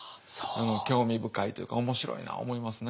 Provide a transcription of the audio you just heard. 興味深いというか面白いなあ思いますね。